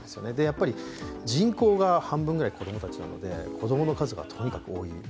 やっぱり人口が半分くらい子供たちなので、子供の数がとにかく多い。